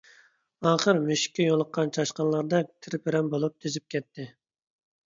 ئاخىر مۈشۈككە يولۇققان چاشقانلاردەك تىرىپىرەن بولۇپ تېزىپ كەتتى.